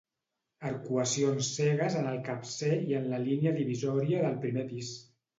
Arcuacions cegues en el capcer i en la línia divisòria del primer pis.